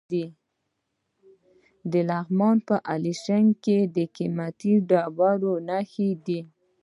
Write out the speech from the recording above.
د لغمان په علیشنګ کې د قیمتي ډبرو نښې دي.